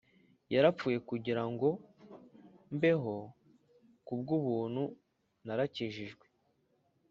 yarapfuye kugira ngo mbeho ku bw'ubuntu, narakijijwe